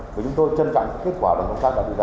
và chúng tôi chân trạng kết quả đoàn công tác đã đưa ra